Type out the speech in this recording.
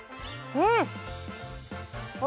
うん。